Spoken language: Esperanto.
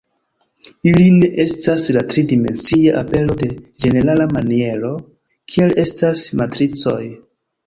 Ili ne estas la tri dimensia apero de ĝenerala maniero, kiel estas matricoj.